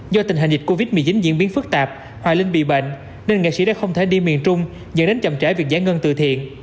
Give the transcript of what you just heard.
do tình hình dịch covid một mươi chín diễn biến phức tạp hòa linh bị bệnh nên nghệ sĩ đã không thể đi miền trung dẫn đến chậm trễ việc giải ngân từ thiện